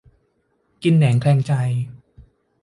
กินแหนงแคลงใจ